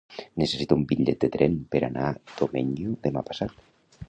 Necessito un bitllet de tren per anar a Domenyo demà passat.